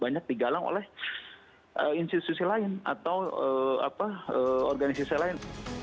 banyak digalang oleh institusi lain atau organisasi lain